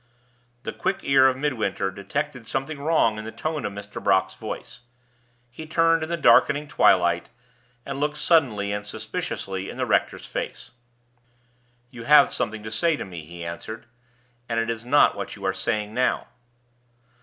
The quick ear of Midwinter detected something wrong in the tone of Mr. Brock's voice. He turned in the darkening twilight, and looked suddenly and suspiciously in the rector's face. "You have something to say to me," he answered; "and it is not what you are saying now."